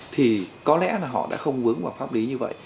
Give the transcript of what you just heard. thì có lẽ là họ đã không vướng vào pháp lý như vậy